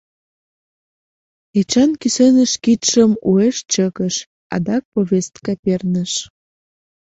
Эчан кӱсеныш кидшым уэш чыкыш, адакат повестка перныш.